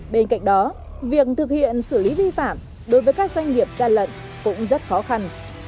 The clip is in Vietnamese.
bên cạnh đó việc thực hiện xử lý vi phạm đối với các doanh nghiệp gian lận cũng rất khó khăn